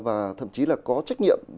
và thậm chí là có trách nhiệm